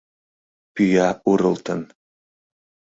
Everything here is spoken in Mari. Пӱя урылтын.